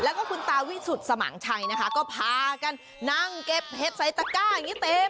แล้วก็คุณตาวิสุทธิ์สมังชัยนะคะก็พากันนั่งเก็บเห็ดใส่ตะก้าอย่างนี้เต็ม